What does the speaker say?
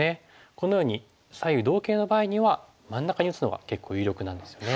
このように左右同形の場合には真ん中に打つのが結構有力なんですよね。